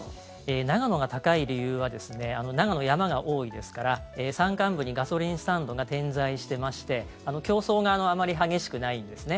長野が高い理由は長野、山が多いですから山間部にガソリンスタンドが点在していまして競争があまり激しくないんですね。